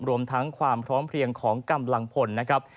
รวมทั้งความพร้อมเพลียงของกำลังพลนะครับ